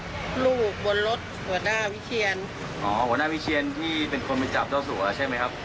หัวหน้าวิเฉียนหัวหน้าวิเฉียนที่เป็นคนไปจับเจ้าสัว่ใช่มั้ยครับ